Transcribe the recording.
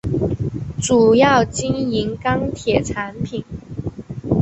主要经营钢铁产品。